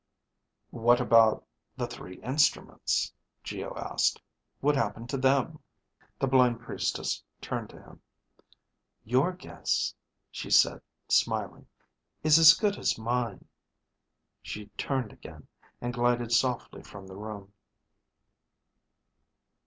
"What about the the three instruments?" Geo asked. "What happened to them?" The blind Priestess turned to him. "Your guess," she said, smiling, "is as good as mine." She turned again and glided softly from the room.